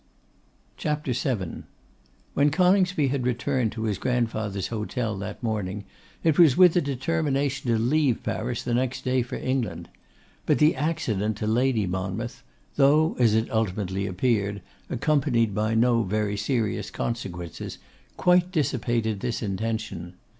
When Coningsby had returned to his grandfather's hotel that morning, it was with a determination to leave Paris the next day for England; but the accident to Lady Monmouth, though, as it ultimately appeared, accompanied by no very serious consequences, quite dissipated this intention.